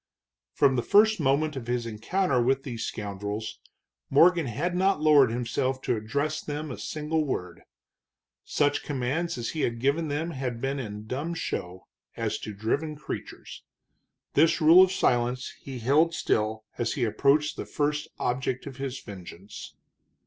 From the first moment of his encounter with these scoundrels Morgan had not lowered himself to address them a single word. Such commands as he had given them had been in dumb show, as to driven creatures. This rule of silence he held still as he approached the first object of his vengeance.